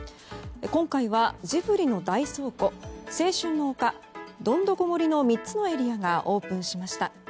今回はジブリの大倉庫、青春の丘どんどこ森の３つのエリアがオープンしました。